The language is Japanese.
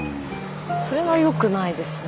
それはよくないですね。